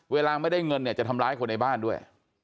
เวลาไม่ได้เงินเนี่ยจะทำร้ายคนในบ้านด้วย